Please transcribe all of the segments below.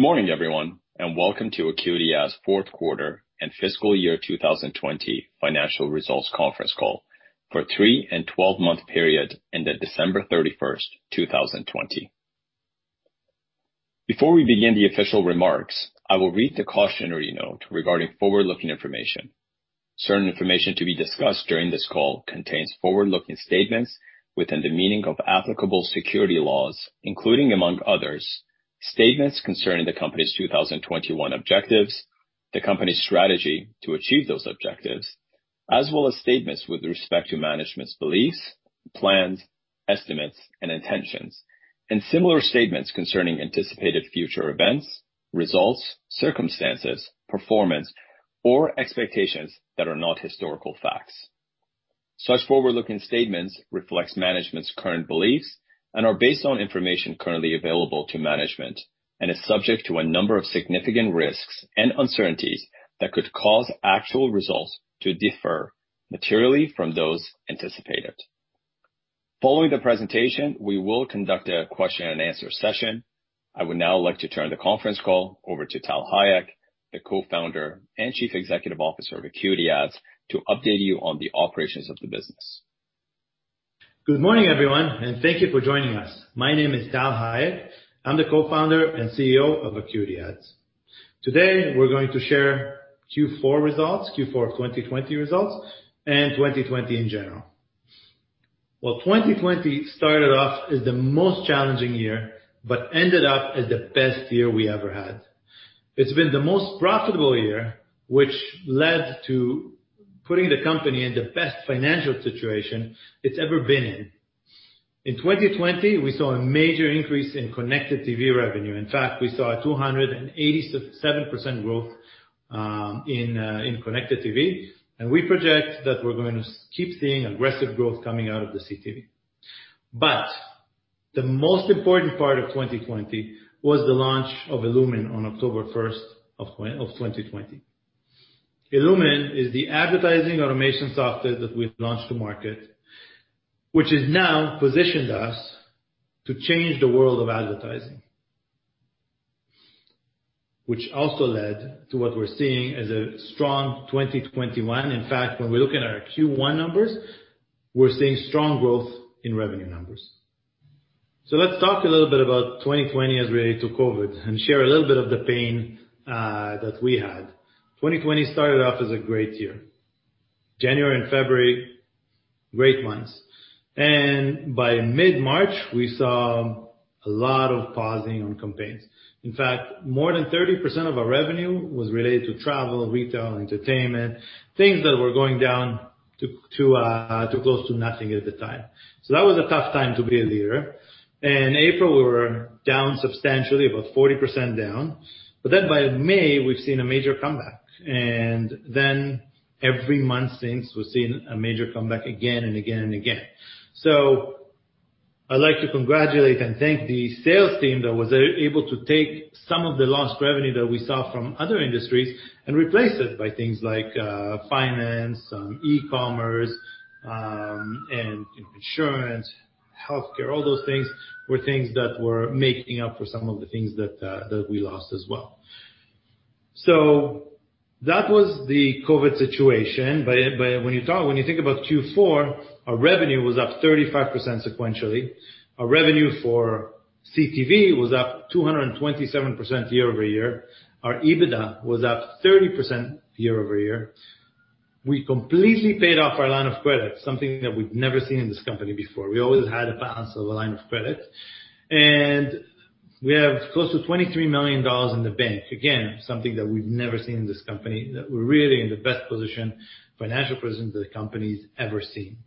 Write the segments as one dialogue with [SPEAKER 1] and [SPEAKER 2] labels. [SPEAKER 1] Good morning, everyone, and welcome to AcuityAds' fourth quarter and fiscal year two thousand and twenty financial results conference call for three and twelve-month period ended December thirty-first, two thousand and twenty. Before we begin the official remarks, I will read the cautionary note regarding forward-looking information. Certain information to be discussed during this call contains forward-looking statements within the meaning of applicable security laws, including, among others, statements concerning the company's two thousand and twenty-one objectives, the company's strategy to achieve those objectives, as well as statements with respect to management's beliefs, plans, estimates, and intentions, and similar statements concerning anticipated future events, results, circumstances, performance, or expectations that are not historical facts. Such forward-looking statements reflects management's current beliefs and are based on information currently available to management and is subject to a number of significant risks and uncertainties that could cause actual results to differ materially from those anticipated. Following the presentation, we will conduct a question and answer session. I would now like to turn the conference call over to Tal Hayek, the Co-founder and Chief Executive Officer of AcuityAds, to update you on the operations of the business.
[SPEAKER 2] Good morning, everyone, and thank you for joining us. My name is Tal Hayek. I'm the co-founder and CEO of AcuityAds. Today, we're going to share Q4 results, Q4 of 2020 results, and 2020 in general. Well, 2020 started off as the most challenging year, but ended up as the best year we ever had. It's been the most profitable year, which led to putting the company in the best financial situation it's ever been in. In 2020, we saw a major increase in connected TV revenue. In fact, we saw a 287% growth in connected TV, and we project that we're going to keep seeing aggressive growth coming out of the CTV. But the most important part of 2020 was the launch of illumin on October first of 2020. illumin is the advertising automation software that we've launched to market, which has now positioned us to change the world of advertising, which also led to what we're seeing as a strong 2021. In fact, when we look at our Q1 numbers, we're seeing strong growth in revenue numbers. Let's talk a little bit about 2020 as related to COVID, and share a little bit of the pain that we had. 2020 started off as a great year. January and February, great months, and by mid-March, we saw a lot of pausing on campaigns. In fact, more than 30% of our revenue was related to travel, retail, entertainment, things that were going down to close to nothing at the time. So that was a tough time to be a leader. In April, we were down substantially, about 40% down, but then by May, we've seen a major comeback, and then every month since, we've seen a major comeback again and again and again. So I'd like to congratulate and thank the sales team that was able to take some of the lost revenue that we saw from other industries and replace it by things like finance, some e-commerce, and insurance, healthcare, all those things were things that were making up for some of the things that we lost as well. So that was the COVID situation, but when you think about Q4, our revenue was up 35% sequentially. Our revenue for CTV was up 227% year over year. Our EBITDA was up 30% year over year. We completely paid off our line of credit, something that we've never seen in this company before. We always had a balance of a line of credit, and we have close to $23 million in the bank. Again, something that we've never seen in this company, that we're really in the best position, financial position that the company's ever seen.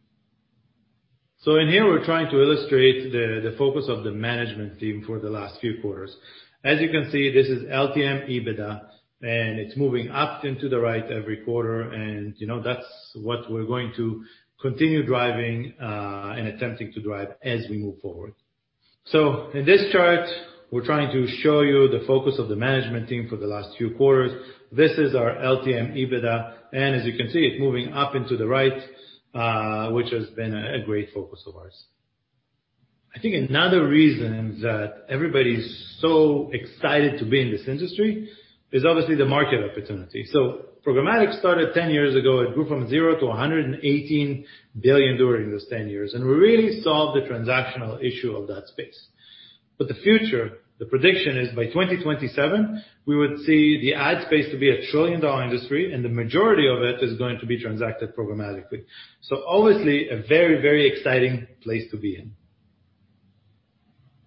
[SPEAKER 2] So in here, we're trying to illustrate the focus of the management team for the last few quarters. As you can see, this is LTM EBITDA, and it's moving up into the right every quarter, and, you know, that's what we're going to continue driving and attempting to drive as we move forward. So in this chart, we're trying to show you the focus of the management team for the last few quarters. This is our LTM EBITDA, and as you can see, it's moving up into the right, which has been a great focus of ours. I think another reason that everybody's so excited to be in this industry is obviously the market opportunity. Programmatic started 10 years ago. It grew from zero to 118 billion during those 10 years, and we really solved the transactional issue of that space. But the future, the prediction is by 2027, we would see the ad space to be a trillion-dollar industry, and the majority of it is going to be transacted programmatically. So obviously, a very, very exciting place to be in.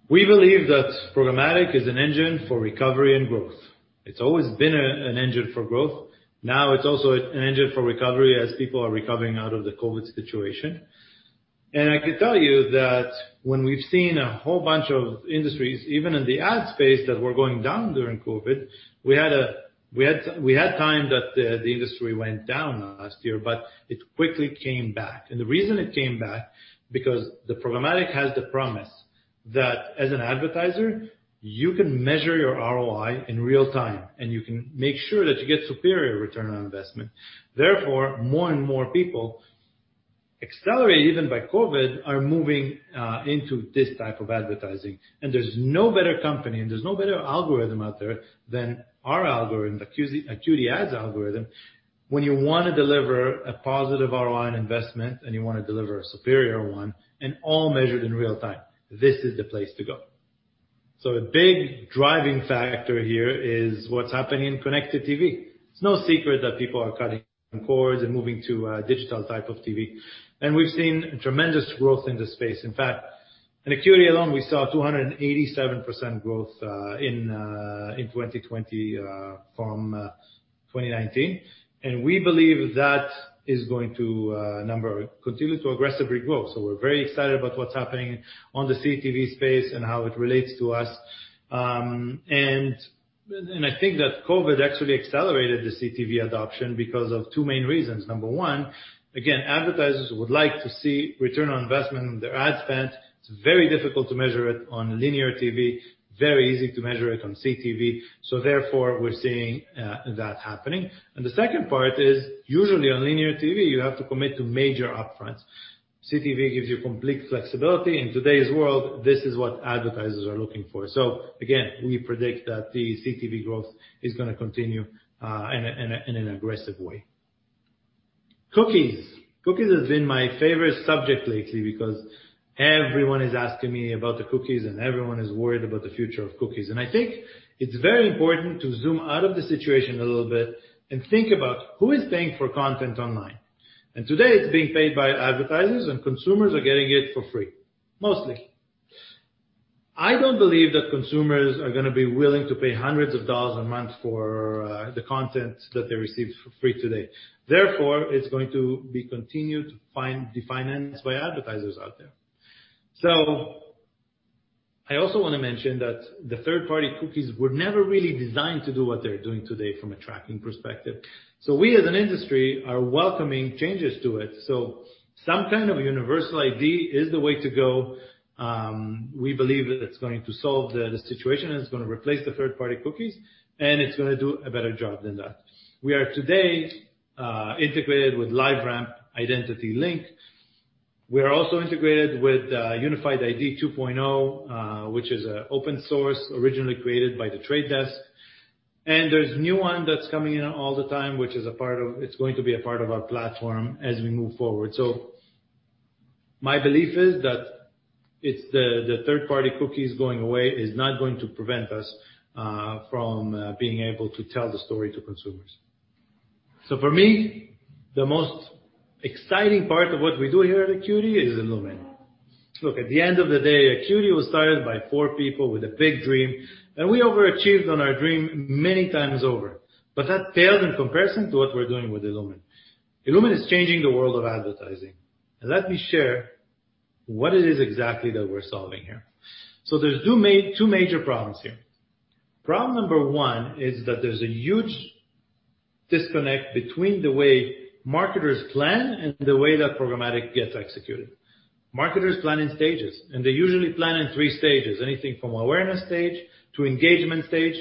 [SPEAKER 2] We believe that programmatic is an engine for recovery and growth. It's always been an engine for growth. Now, it's also an engine for recovery as people are recovering out of the COVID situation. And I can tell you that when we've seen a whole bunch of industries, even in the ad space, that were going down during COVID, we had a time that the industry went down last year, but it quickly came back. And the reason it came back, because the programmatic has the promise that as an advertiser, you can measure your ROI in real time, and you can make sure that you get superior return on investment. Therefore, more and more people, accelerated even by COVID, are moving into this type of advertising, and there's no better company, and there's no better algorithm out there than our algorithm, the AcuityAds algorithm. When you wanna deliver a positive ROI on investment and you wanna deliver a superior one, and all measured in real time, this is the place to go. So the big driving factor here is what's happening in connected TV. It's no secret that people are cutting cords and moving to digital type of TV, and we've seen tremendous growth in this space. In fact, in Acuity alone, we saw 287% growth in 2020 from 2019, and we believe that is going to continue to aggressively grow. So we're very excited about what's happening on the CTV space and how it relates to us. And I think that COVID actually accelerated the CTV adoption because of two main reasons. Number one, again, advertisers would like to see return on investment on their ad spend. It's very difficult to measure it on linear TV, very easy to measure it on CTV. So therefore, we're seeing that happening. And the second part is, usually on linear TV, you have to commit to major upfront. CTV gives you complete flexibility. In today's world, this is what advertisers are looking for. So again, we predict that the CTV growth is gonna continue in an aggressive way. Cookies. Cookies has been my favorite subject lately because everyone is asking me about the cookies, and everyone is worried about the future of cookies. And I think it's very important to zoom out of the situation a little bit and think about who is paying for content online? And today, it's being paid by advertisers, and consumers are getting it for free, mostly. I don't believe that consumers are gonna be willing to pay hundreds of dollars a month for the content that they receive for free today. Therefore, it's going to be financed by advertisers out there. So I also wanna mention that the third-party cookies were never really designed to do what they're doing today from a tracking perspective. So we, as an industry, are welcoming changes to it. So some kind of Universal ID is the way to go. We believe that it's going to solve the situation, and it's gonna replace the third-party cookies, and it's gonna do a better job than that. We are today integrated with LiveRamp IdentityLink. We are also integrated with Unified ID 2.0, which is an open source, originally created by The Trade Desk. And there's new one that's coming in all the time, which is a part of our platform as we move forward. So my belief is that it's the third-party cookies going away is not going to prevent us from being able to tell the story to consumers. So for me, the most exciting part of what we do here at Acuity is illumin. Look, at the end of the day, Acuity was started by four people with a big dream, and we overachieved on our dream many times over, but that pales in comparison to what we're doing with illumin. illumin is changing the world of advertising. And let me share what it is exactly that we're solving here. So there's two major problems here. Problem number one is that there's a huge disconnect between the way marketers plan and the way that programmatic gets executed. Marketers plan in stages, and they usually plan in three stages, anything from awareness stage to engagement stage,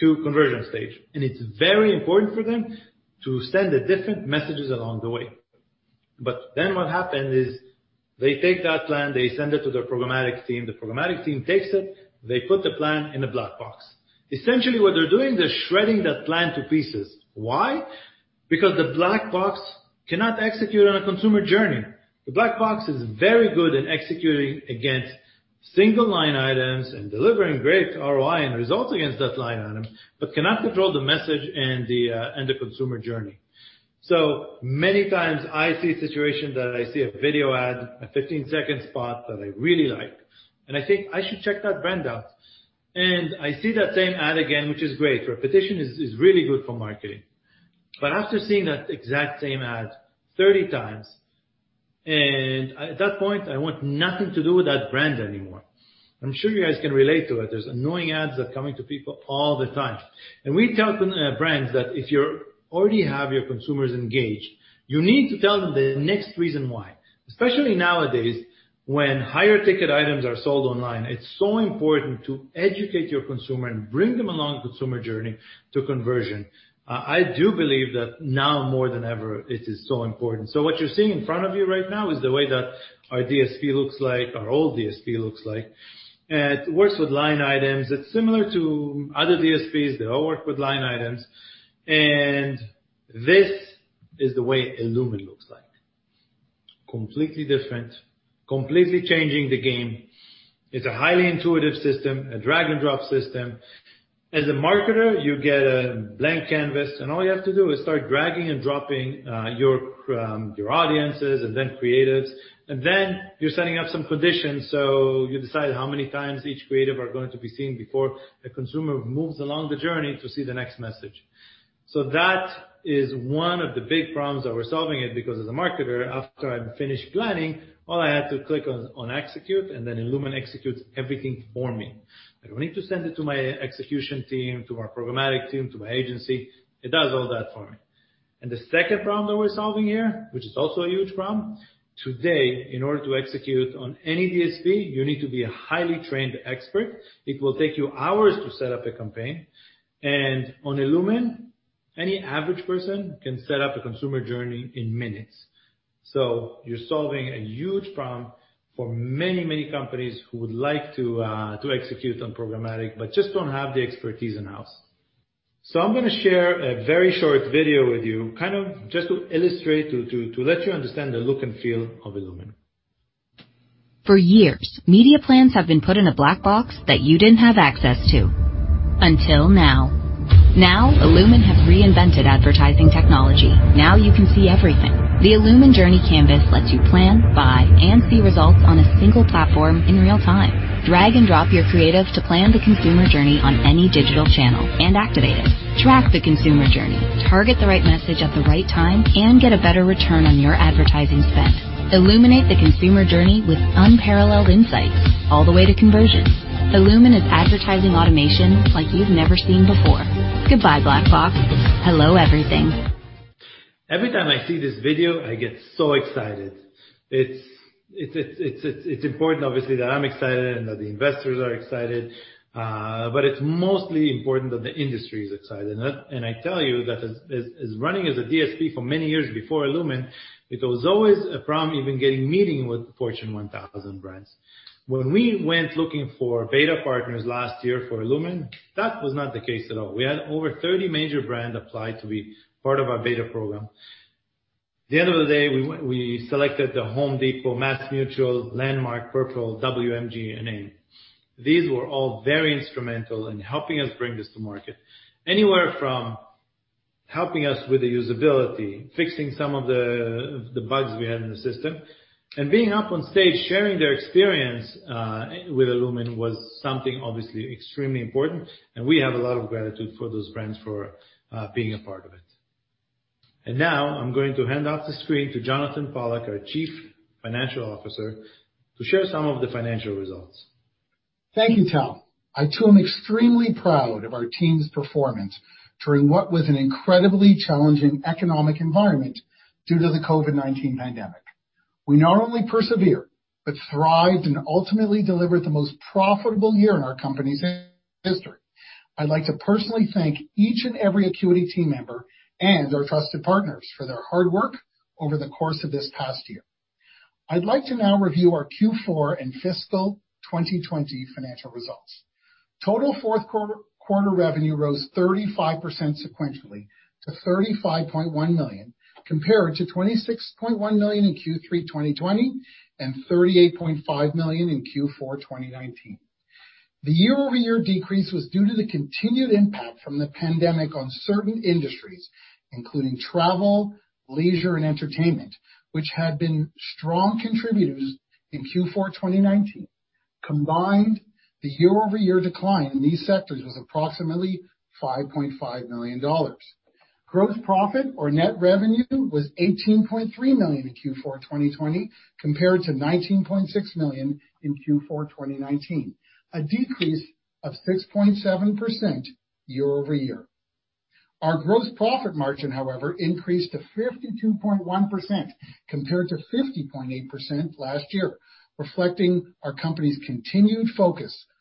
[SPEAKER 2] to conversion stage. It's very important for them to send the different messages along the way. What happens is they take that plan, they send it to their programmatic team. The programmatic team takes it, they put the plan in a black box. Essentially, what they're doing, they're shredding that plan to pieces. Why? Because the black box cannot execute on a consumer journey. The black box is very good at executing against single line items and delivering great ROI and results against that line item, but cannot control the message and the consumer journey. Many times I see a situation that I see a video ad, a 15-second spot that I really like, and I think I should check that brand out. I see that same ad again, which is great. Repetition is really good for marketing. But after seeing that exact same ad 30 times, and at that point, I want nothing to do with that brand anymore. I'm sure you guys can relate to it. There's annoying ads that are coming to people all the time. And we tell brands that if you already have your consumers engaged, you need to tell them the next reason why. Especially nowadays, when higher ticket items are sold online, it's so important to educate your consumer and bring them along the consumer journey to conversion. I do believe that now more than ever, it is so important. What you're seeing in front of you right now is the way that our DSP looks like, our old DSP looks like. And it works with line items. It's similar to other DSPs. They all work with line items, and this is the way illumin looks like. Completely different, completely changing the game. It's a highly intuitive system, a drag-and-drop system. As a marketer, you get a blank canvas, and all you have to do is start dragging and dropping your audiences and then creatives, and then you're setting up some conditions. So you decide how many times each creative are going to be seen before a consumer moves along the journey to see the next message. So that is one of the big problems, that we're solving it, because as a marketer, after I'm finished planning, all I have to click on Execute, and then illumin executes everything for me. I don't need to send it to my execution team, to our programmatic team, to my agency. It does all that for me. And the second problem that we're solving here, which is also a huge problem, today, in order to execute on any DSP, you need to be a highly trained expert. It will take you hours to set up a campaign, and on illumin. Any average person can set up a consumer journey in minutes. So you're solving a huge problem for many, many companies who would like to execute on programmatic, but just don't have the expertise in-house. So I'm gonna share a very short video with you, kind of just to illustrate, to let you understand the look and feel of illumin. For years, media plans have been put in a black box that you didn't have access to, until now. Now, illumin has reinvented advertising technology. Now you can see everything. The illumin Journey Canvas lets you plan, buy, and see results on a single platform in real time. Drag and drop your creative to plan the consumer journey on any digital channel and activate it. Track the consumer journey, target the right message at the right time, and get a better return on your advertising spend. Illuminate the consumer journey with unparalleled insights all the way to conversions. illumin is advertising automation like you've never seen before. Goodbye, black box. Hello, everything. Every time I see this video, I get so excited. It's important, obviously, that I'm excited and that the investors are excited, but it's mostly important that the industry is excited. I tell you that as running as a DSP for many years before illumin, it was always a problem even getting meeting with Fortune 1000 brands. When we went looking for beta partners last year for illumin, that was not the case at all. We had over 30 major brands apply to be part of our beta program. At the end of the day, we selected The Home Depot, MassMutual, Lamark, Purple, WMG, and AM. These were all very instrumental in helping us bring this to market. Anywhere from helping us with the usability, fixing some of the bugs we had in the system, and being up on stage, sharing their experience with illumin, was something obviously extremely important, and we have a lot of gratitude for those brands for being a part of it. And now I'm going to hand off the screen to Jonathan Pollack, our Chief Financial Officer, to share some of the financial results.
[SPEAKER 3] Thank you, Tal. I, too, am extremely proud of our team's performance during what was an incredibly challenging economic environment due to the COVID-19 pandemic. We not only persevered, but thrived and ultimately delivered the most profitable year in our company's history. I'd like to personally thank each and every Acuity team member and our trusted partners for their hard work over the course of this past year. I'd like to now review our Q4 and fiscal 2020 financial results. Total fourth quarter revenue rose 35% sequentially to 35.1 million, compared to 26.1 million in Q3 2020 and 38.5 million in Q4 2019. The year-over-year decrease was due to the continued impact from the pandemic on certain industries, including travel, leisure, and entertainment, which had been strong contributors in Q4 2019. Combined, the year-over-year decline in these sectors was approximately 5.5 million dollars. Gross profit or net revenue was 18.3 million in Q4 2020, compared to 19.6 million in Q4 2019, a decrease of 6.7% year over year. Our gross profit margin, however, increased to 52.1%, compared to 50.8% last year, reflecting our company's continued focus on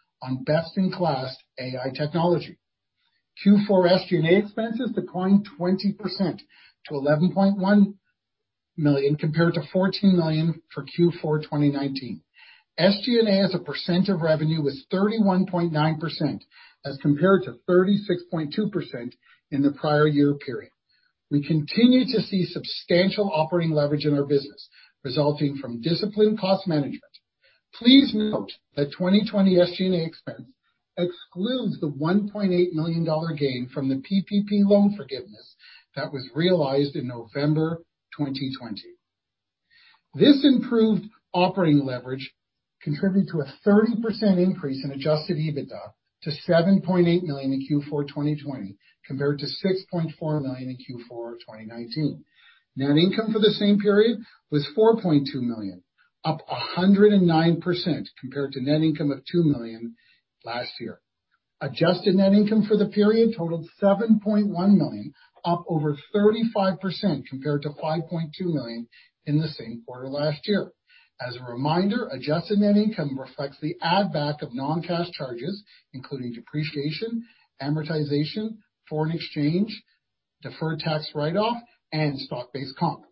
[SPEAKER 3] best-in-class AI technology. Q4 SG&A expenses declined 20% to 11.1 million, compared to 14 million for Q4 2019. SG&A, as a percent of revenue, was 31.9%, as compared to 36.2% in the prior year period. We continue to see substantial operating leverage in our business, resulting from disciplined cost management. Please note that 2020 SG&A expense excludes the $1.8 million gain from the PPP loan forgiveness that was realized in November 2020. This improved operating leverage contributed to a 30% increase in Adjusted EBITDA to $7.8 million in Q4 2020, compared to $6.4 million in Q4 2019. Net income for the same period was $4.2 million, up 109% compared to net income of $2 million last year. Adjusted net income for the period totaled $7.1 million, up over 35% compared to $5.2 million in the same quarter last year. As a reminder, adjusted net income reflects the add back of non-cash charges, including depreciation, amortization, foreign exchange, deferred tax write-off, and stock-based comp.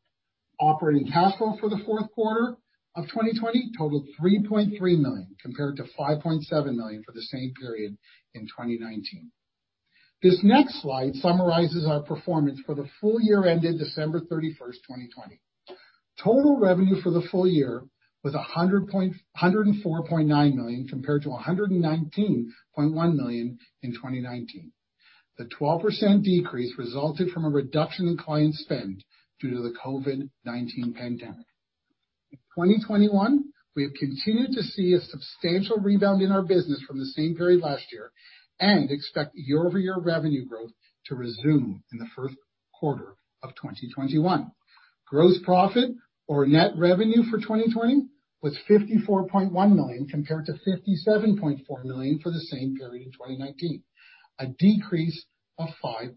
[SPEAKER 3] Operating cash flow for the fourth quarter of 2020 totaled 3.3 million, compared to 5.7 million for the same period in 2019. This next slide summarizes our performance for the full year ended December 31, 2020. Total revenue for the full year was 104.9 million, compared to 119.1 million in 2019. The 12% decrease resulted from a reduction in client spend due to the COVID-19 pandemic. In 2021, we have continued to see a substantial rebound in our business from the same period last year and expect year-over-year revenue growth to resume in the first quarter of 2021. Gross profit or net revenue for 2020 was 54.1 million, compared to 57.4 million for the same period in 2019, a decrease of 5.8%.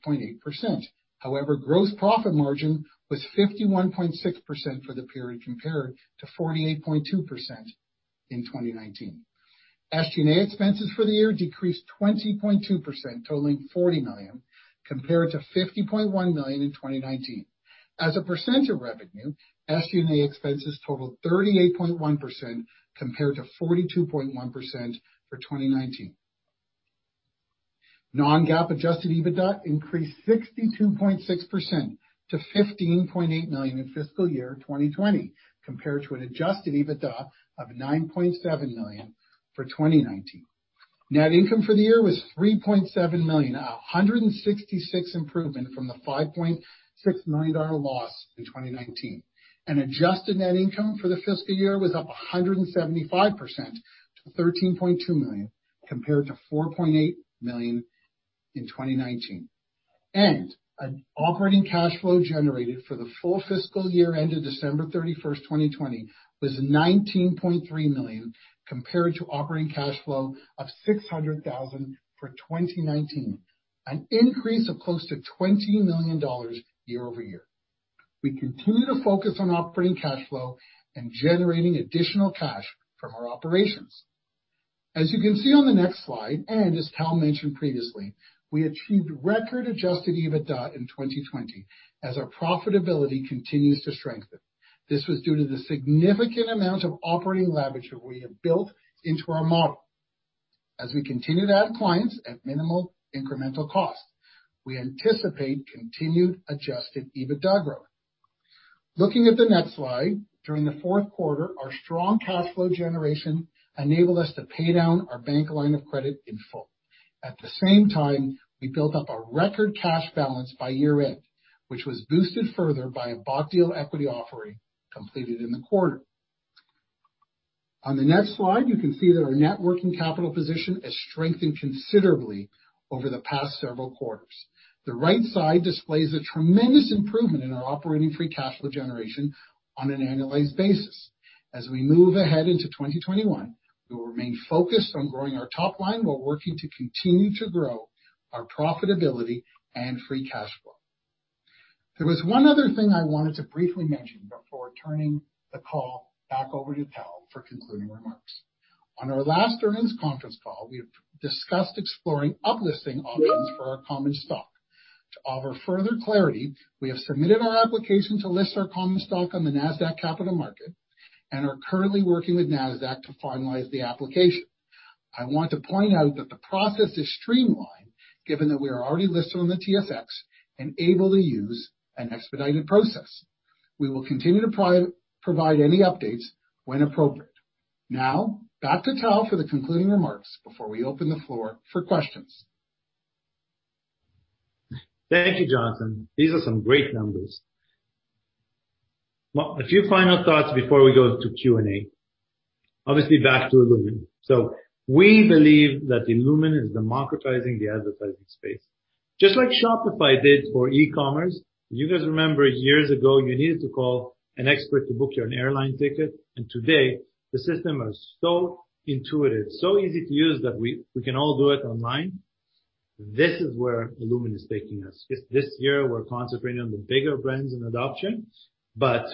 [SPEAKER 3] However, gross profit margin was 51.6% for the period, compared to 48.2% in 2019. SG&A expenses for the year decreased 20.2%, totaling 40 million, compared to 50.1 million in 2019. As a percent of revenue, SG&A expenses totaled 38.1%, compared to 42.1% for 2019. Non-GAAP Adjusted EBITDA increased 62.6% to CAD 15.8 million in fiscal year 2020, compared to an Adjusted EBITDA of CAD 9.7 million for 2019. Net income for the year was 3.7 million, 166% improvement from the 5.6 million dollar loss in 2019. And adjusted net income for the fiscal year was up 175% to 13.2 million, compared to 4.8 million in 2019. An operating cash flow generated for the full fiscal year ended December thirty-first, 2020, was $19.3 million, compared to operating cash flow of $600,000 for 2019, an increase of close to $20 million year over year. We continue to focus on operating cash flow and generating additional cash from our operations. As you can see on the next slide, and as Tal mentioned previously, we achieved record Adjusted EBITDA in 2020, as our profitability continues to strengthen. This was due to the significant amount of operating leverage that we have built into our model. As we continue to add clients at minimal incremental cost, we anticipate continued Adjusted EBITDA growth. Looking at the next slide, during the Q4, our strong cash flow generation enabled us to pay down our bank line of credit in full. At the same time, we built up a record cash balance by year-end, which was boosted further by a bought deal equity offering completed in the quarter. On the next slide, you can see that our net working capital position has strengthened considerably over the past several quarters. The right side displays a tremendous improvement in our operating free cash flow generation on an annualized basis. As we move ahead into twenty twenty-one, we will remain focused on growing our top line, while working to continue to grow our profitability and free cash flow. There was one other thing I wanted to briefly mention before turning the call back over to Tal for concluding remarks. On our last earnings conference call, we have discussed exploring uplisting options for our common stock. To offer further clarity, we have submitted our application to list our common stock on the Nasdaq Capital Market and are currently working with Nasdaq to finalize the application. I want to point out that the process is streamlined, given that we are already listed on the TSX and able to use an expedited process. We will continue to provide any updates when appropriate. Now, back to Tal for the concluding remarks before we open the floor for questions.
[SPEAKER 2] Thank you, Jonathan. These are some great numbers. A few final thoughts before we go to Q&A. Obviously, back to illumin. We believe that illumin is democratizing the advertising space, just like Shopify did for e-commerce. You guys remember years ago, you needed to call an expert to book your airline ticket, and today, the system is so intuitive, so easy to use that we can all do it online. This is where illumin is taking us. This year, we're concentrating on the bigger brands and adoption, but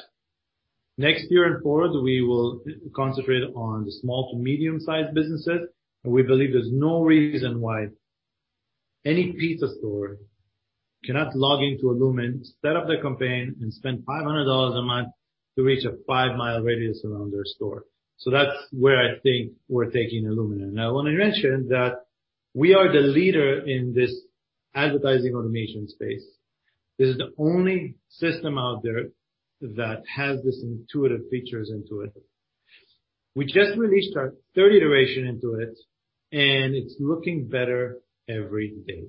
[SPEAKER 2] next year and forward, we will concentrate on the small to medium-sized businesses. We believe there's no reason why any pizza store cannot log into illumin, set up their campaign, and spend $500 a month to reach a five-mile radius around their store. That's where I think we're taking illumin. I want to mention that we are the leader in this advertising automation space. This is the only system out there that has this intuitive features into it. We just released our third iteration into it, and it's looking better every day.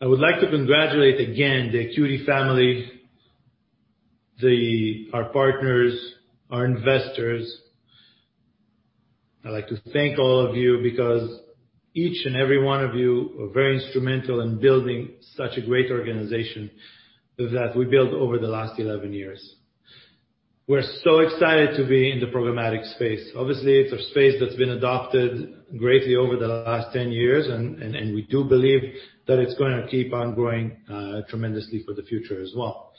[SPEAKER 2] I would like to congratulate again, the Acuity family, our partners, our investors. I'd like to thank all of you, because each and every one of you are very instrumental in building such a great organization that we built over the last eleven years. We're so excited to be in the programmatic space. Obviously, it's a space that's been adopted greatly over the last ten years, and we do believe that it's going to keep on growing tremendously for the future as well.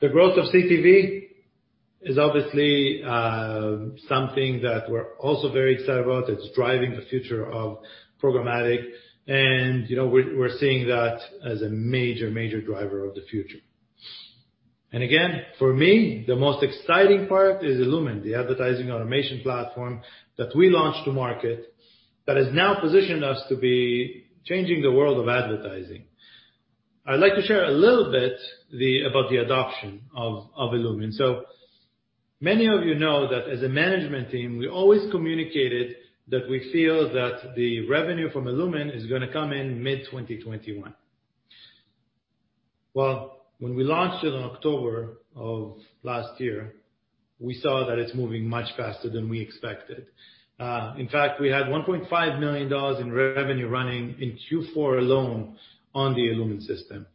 [SPEAKER 2] The growth of CTV is obviously something that we're also very excited about. It's driving the future of programmatic, and, you know, we're seeing that as a major, major driver of the future. Again, for me, the most exciting part is illumin, the advertising automation platform that we launched to market, that has now positioned us to be changing the world of advertising. I'd like to share a little bit about the adoption of illumin. So many of you know that as a management team, we always communicated that we feel that the revenue from illumin is gonna come in mid-2021. When we launched it in October of last year, we saw that it's moving much faster than we expected. In fact, we had $1.5 million in revenue running in Q4 alone on the illumin system.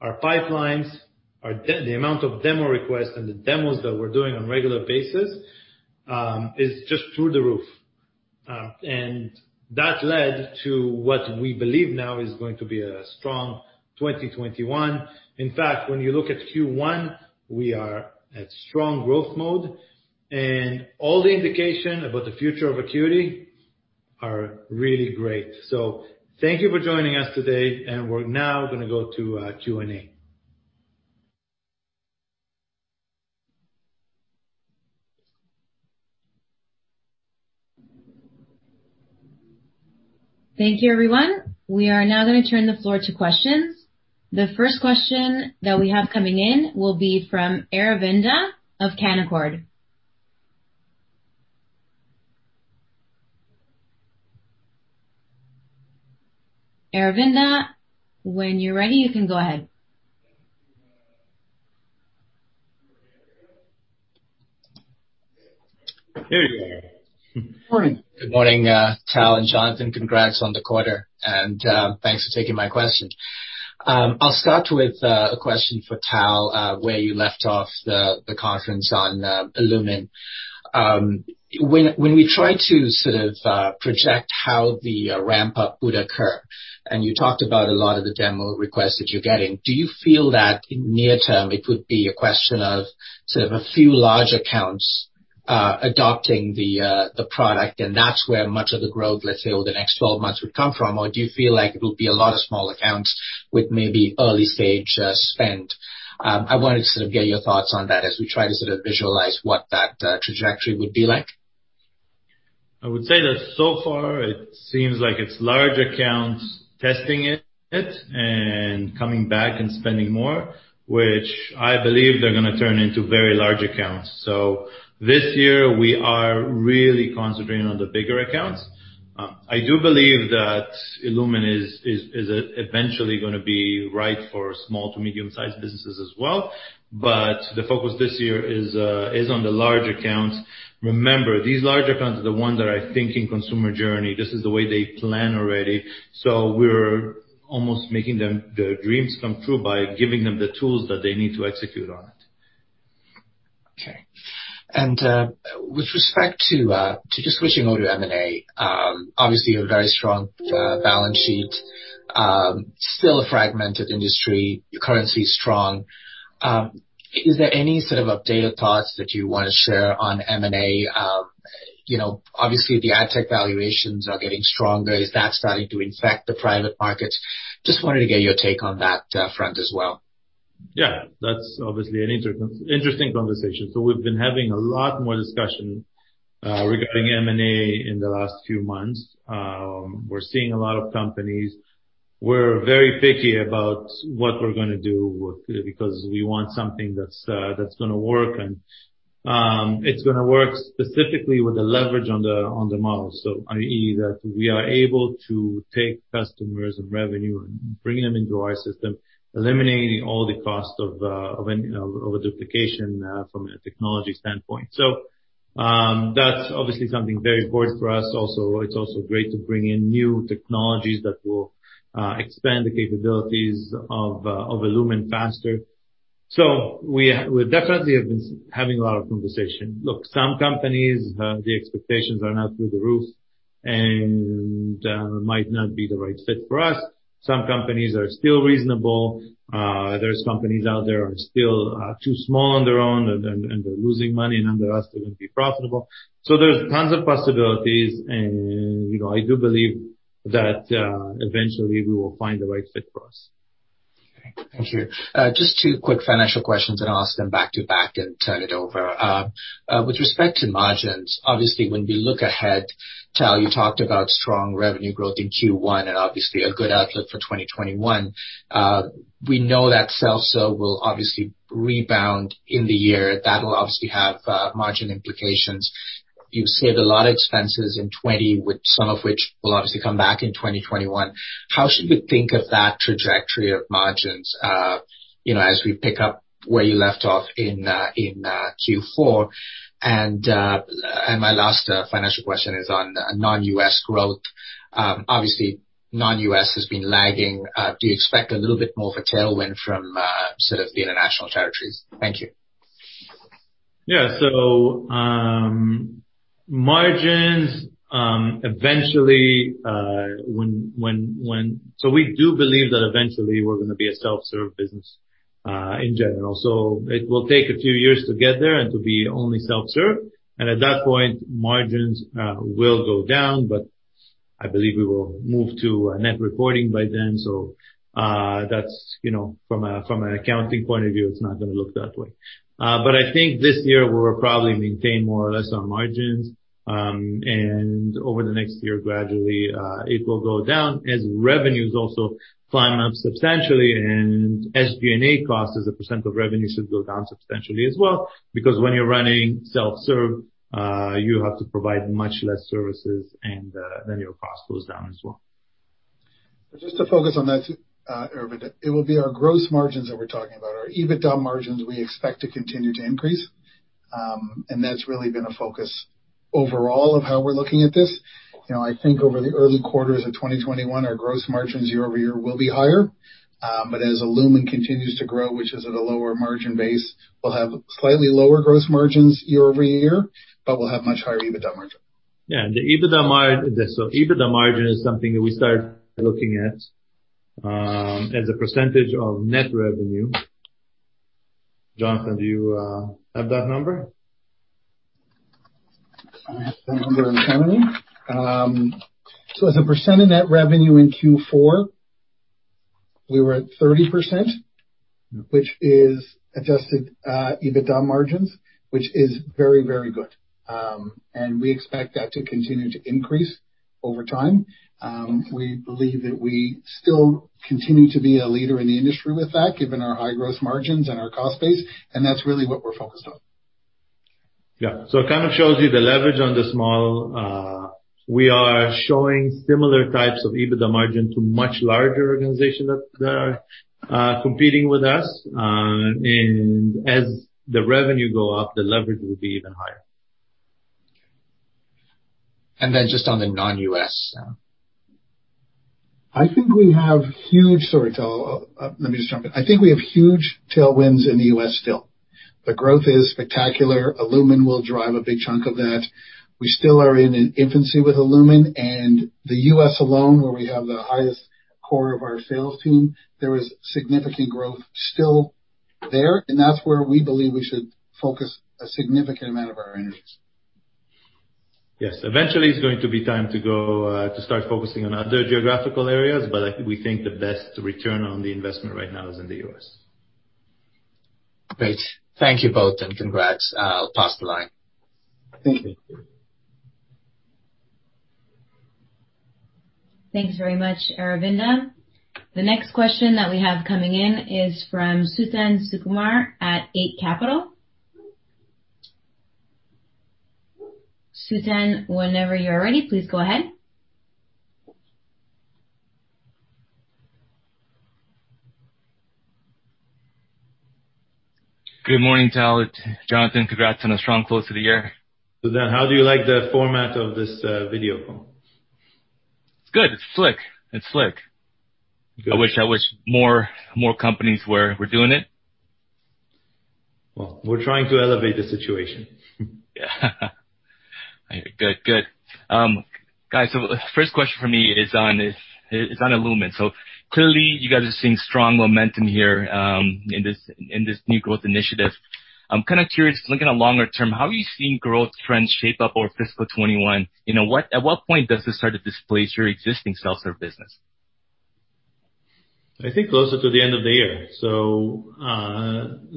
[SPEAKER 2] Our pipelines, the amount of demo requests and the demos that we're doing on regular basis, is just through the roof. And that led to what we believe now is going to be a strong twenty twenty-one. In fact, when you look at Q1, we are at strong growth mode, and all the indication about the future of Acuity are really great. So thank you for joining us today, and we're now gonna go to Q&A.
[SPEAKER 4] Thank you, everyone. We are now gonna turn the floor to questions. The first question that we have coming in will be from Aravinda of Canaccord. Aravinda, when you're ready, you can go ahead.
[SPEAKER 5] Here we go.
[SPEAKER 2] Morning.
[SPEAKER 5] Good morning, Tal and Jonathan. Congrats on the quarter, and thanks for taking my questions. I'll start with a question for Tal, where you left off the conference on illumin. When we try to sort of project how the ramp up would occur, and you talked about a lot of the demo requests that you're getting, do you feel that in near term, it would be a question of sort of a few large accounts adopting the product, and that's where much of the growth, let's say, over the next twelve months would come from? Or do you feel like it will be a lot of small accounts with maybe early stage spend? I wanted to sort of get your thoughts on that as we try to sort of visualize what that trajectory would be like.
[SPEAKER 2] I would say that so far, it seems like it's large accounts testing it and coming back and spending more, which I believe they're gonna turn into very large accounts. So this year, we are really concentrating on the bigger accounts. I do believe that illumin is eventually gonna be right for small to medium-sized businesses as well, but the focus this year is on the large accounts. Remember, these large accounts are the ones that are thinking consumer journey. This is the way they plan already, so we're almost making their dreams come true by giving them the tools that they need to execute on it.
[SPEAKER 5] Okay. And, with respect to just switching over to M&A, obviously, you have a very strong balance sheet, still a fragmented industry, your currency is strong. Is there any sort of updated thoughts that you wanna share on M&A? You know, obviously, the ad tech valuations are getting stronger. Is that starting to impact the private markets? Just wanted to get your take on that front as well.
[SPEAKER 2] Yeah, that's obviously an interesting conversation. So we've been having a lot more discussion regarding M&A in the last few months. We're seeing a lot of companies. We're very picky about what we're gonna do with, because we want something that's gonna work, and it's gonna work specifically with the leverage on the model. So, i.e., that we are able to take customers and revenue and bring them into our system, eliminating all the cost of, you know, of a duplication from a technology standpoint. So, that's obviously something very important for us. Also, it's also great to bring in new technologies that will expand the capabilities of illumin faster. So we definitely have been having a lot of conversation. Look, some companies, the expectations are now through the roof, and might not be the right fit for us. Some companies are still reasonable. There's companies out there are still too small on their own, and they're losing money, and under us, they're gonna be profitable, so there's tons of possibilities, and you know, I do believe that eventually we will find the right fit for us.
[SPEAKER 5] Okay, thank you. Just two quick financial questions and ask them back to back and turn it over. With respect to margins, obviously, when we look ahead, Tal, you talked about strong revenue growth in Q1 and obviously a good outlook for twenty twenty-one. We know that self-serve will obviously rebound in the year. That will obviously have margin implications. You've saved a lot of expenses in 2020, which some of which will obviously come back in twenty twenty-one. How should we think of that trajectory of margins, you know, as we pick up where you left off in Q4? And my last financial question is on non-U.S. growth. Obviously, non-U.S. has been lagging. Do you expect a little bit more of a tailwind from sort of the international territories? Thank you.
[SPEAKER 2] Yeah. So, margins, eventually. So we do believe that eventually we're gonna be a self-serve business, in general. So it will take a few years to get there and to be only self-serve, and at that point, margins will go down, but I believe we will move to a net reporting by then. So, that's, you know, from a, from an accounting point of view, it's not gonna look that way. But I think this year we'll probably maintain more or less on margins, and over the next year, gradually, it will go down as revenues also climb up substantially, and SG&A costs as a percent of revenue should go down substantially as well, because when you're running self-serve, you have to provide much less services and, then your cost goes down as well.
[SPEAKER 3] Just to focus on that, Aravinda, it will be our gross margins that we're talking about. Our EBITDA margins, we expect to continue to increase, and that's really been a focus overall of how we're looking at this. You know, I think over the early quarters of twenty twenty-one, our gross margins year over year will be higher, but as illumin continues to grow, which is at a lower margin base, we'll have slightly lower gross margins year over year, but we'll have much higher EBITDA margin.
[SPEAKER 2] Yeah, the EBITDA margin, so EBITDA margin is something that we start looking at as a percentage of net revenue. Jonathan, do you have that number?
[SPEAKER 3] I have that number in front of me. So as a percent of net revenue in Q4, we were at 30%, which is adjusted EBITDA margins, which is very, very good. And we expect that to continue to increase over time. We believe that we still continue to be a leader in the industry with that, given our high growth margins and our cost base, and that's really what we're focused on.
[SPEAKER 2] Yeah. So it kind of shows you the leverage on the small. We are showing similar types of EBITDA margin to much larger organizations that are competing with us. And as the revenue go up, the leverage will be even higher.
[SPEAKER 5] And then just on the non-U.S.
[SPEAKER 3] Sorry, Tal, let me just jump in. I think we have huge tailwinds in the U.S. still. The growth is spectacular. illumin will drive a big chunk of that. We still are in an infancy with illumin and the U.S. alone, where we have the highest core of our sales team. There is significant growth still there, and that's where we believe we should focus a significant amount of our energies.
[SPEAKER 2] Yes. Eventually, it's going to be time to go to start focusing on other geographical areas, but we think the best return on the investment right now is in the U.S.
[SPEAKER 5] Great. Thank you both, and congrats. I'll pass the line.
[SPEAKER 3] Thank you.
[SPEAKER 4] Thanks very much, Aravinda. The next question that we have coming in is from Suthan Sukumar at Eight Capital. Suthan, whenever you're ready, please go ahead.
[SPEAKER 6] Good morning, Tal, Jonathan. Congrats on a strong close to the year.
[SPEAKER 2] Suthan, how do you like the format of this video call?
[SPEAKER 6] It's good. It's slick. It's slick.
[SPEAKER 2] Good.
[SPEAKER 6] I wish more companies were doing it.
[SPEAKER 2] We're trying to elevate the situation.
[SPEAKER 6] I hear. Good. Good. Guys, so the first question for me is on illumin. So clearly, you guys are seeing strong momentum here in this new growth initiative. I'm kind of curious, looking at longer term, how are you seeing growth trends shape up over fiscal twenty-one? You know, at what point does this start to displace your existing self-serve business?
[SPEAKER 2] I think closer to the end of the year. So,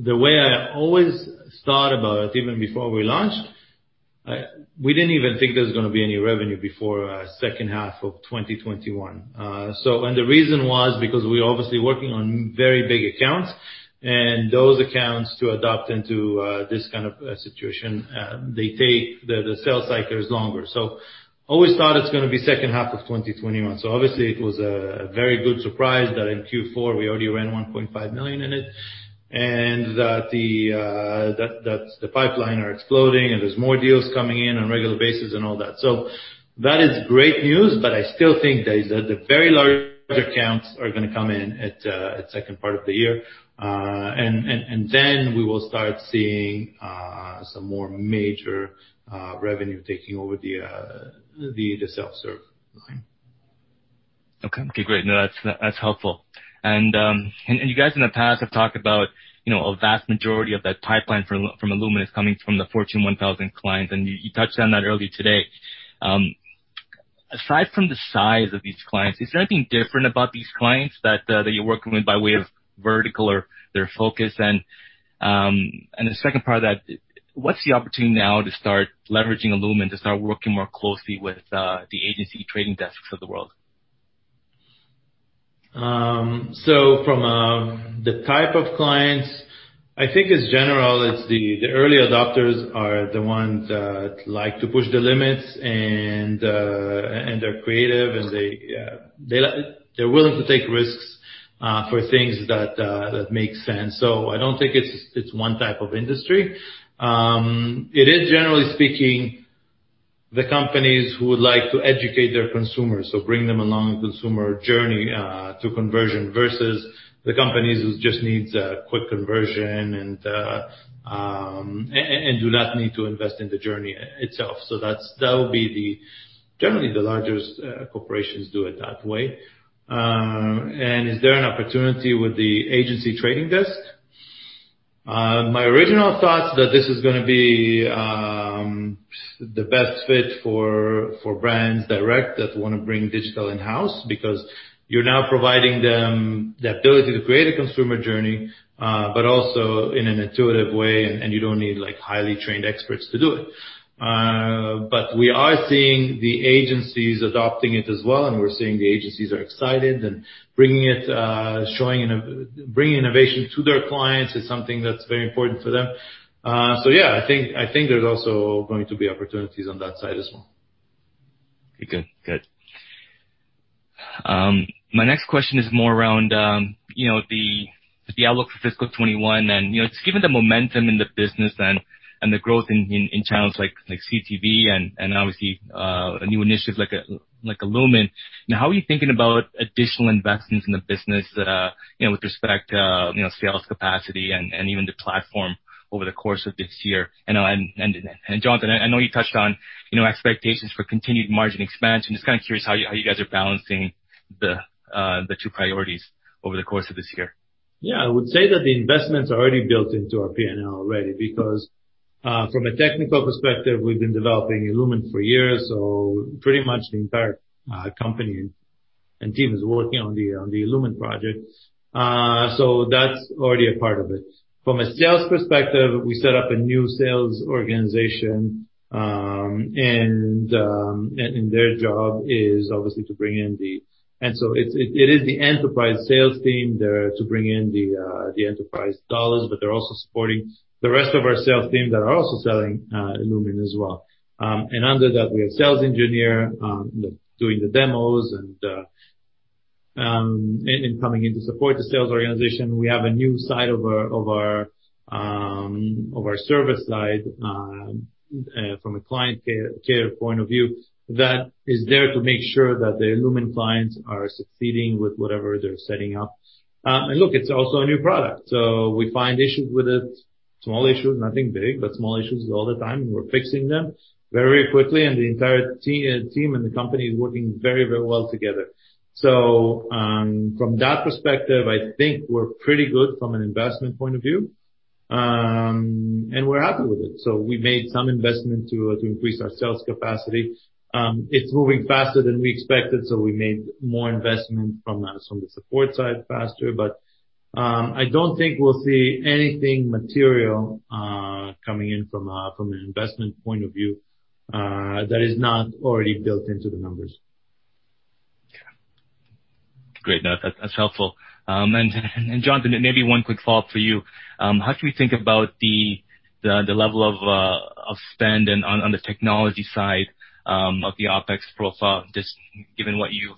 [SPEAKER 2] the way I always thought about it, even before we launched, we didn't even think there was going to be any revenue before, second half of twenty twenty-one. So, and the reason was because we're obviously working on very big accounts, and those accounts to adopt into, this kind of, situation, they take... The sales cycle is longer. So always thought it's going to be second half of twenty twenty-one. So obviously it was a very good surprise that in Q4, we already ran 1.5 million in it, and that the pipeline are exploding, and there's more deals coming in on a regular basis and all that. So that is great news, but I still think that the very large accounts are going to come in at second part of the year. And then we will start seeing some more major revenue taking over the self-serve line.
[SPEAKER 6] Okay. Okay, great. No, that's, that's helpful, and you guys in the past have talked about, you know, a vast majority of that pipeline from illumin is coming from the Fortune 1000 clients, and you touched on that earlier today. Aside from the size of these clients, is there anything different about these clients that you're working with by way of vertical or their focus, and the second part of that, what's the opportunity now to start leveraging illumin to start working more closely with the agency trading desks of the world?
[SPEAKER 2] So from the type of clients, I think it's general. It's the early adopters are the ones that like to push the limits, and they're creative, and they like- they're willing to take risks for things that make sense. So I don't think it's one type of industry. It is, generally speaking, the companies who would like to educate their consumers, so bring them along the consumer journey to conversion, versus the companies who just needs a quick conversion and do not need to invest in the journey itself. So that's that would be the... Generally, the largest corporations do it that way. And is there an opportunity with the agency trading desk? My original thought is that this is going to be the best fit for brands direct that want to bring digital in-house, because you're now providing them the ability to create a consumer journey, but also in an intuitive way, and you don't need, like, highly trained experts to do it. But we are seeing the agencies adopting it as well, and we're seeing the agencies are excited and bringing it, bringing innovation to their clients is something that's very important for them. So yeah, I think there's also going to be opportunities on that side as well.
[SPEAKER 6] Okay, good. Good. My next question is more around, you know, the outlook for fiscal twenty-one. And, you know, just given the momentum in the business and the growth in channels like CTV and obviously new initiatives like illumin, now, how are you thinking about additional investments in the business, you know, with respect to sales capacity and even the platform over the course of this year? And, Jonathan, I know you touched on, you know, expectations for continued margin expansion. Just kind of curious how you guys are balancing the two priorities over the course of this year.
[SPEAKER 2] Yeah, I would say that the investments are already built into our P&L already, because from a technical perspective, we've been developing illumin for years, so pretty much the entire company and team is working on the illumin project. So that's already a part of it. From a sales perspective, we set up a new sales organization, and their job is obviously to bring in the enterprise dollars. And so it is the enterprise sales team there to bring in the enterprise dollars, but they're also supporting the rest of our sales teams that are also selling illumin as well. And under that, we have sales engineer doing the demos and coming in to support the sales organization. We have a new side of our service side from a client care point of view that is there to make sure that the illumin clients are succeeding with whatever they're setting up. And look, it's also a new product, so we find issues with it, small issues, nothing big, but small issues all the time, and we're fixing them very quickly, and the entire team and the company is working very, very well together. So from that perspective, I think we're pretty good from an investment point of view, and we're happy with it. So we made some investment to increase our sales capacity. It's moving faster than we expected, so we made more investment from the support side faster. But, I don't think we'll see anything material coming in from an investment point of view that is not already built into the numbers.
[SPEAKER 6] Okay. Great. No, that, that's helpful. And, Jonathan, maybe one quick follow-up for you. How can we think about the level of spend and on the technology side of the OpEx profile, just given what you've,